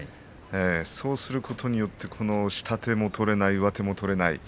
そうすることで下手も取れない上手も取れない。